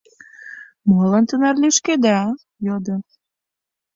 — Молан тынар лӱшкеда? — йодо.